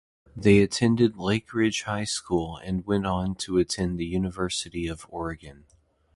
They attended Lakeridge High School and went on to attend the University of Oregon.